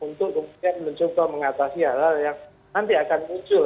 untuk kemudian mencoba mengatasi hal hal yang nanti akan muncul